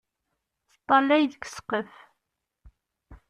Teṭṭalay deg ssqef.